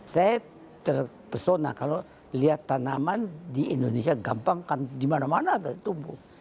saya terpesona kalau lihat tanaman di indonesia gampang kan di mana mana tumbuh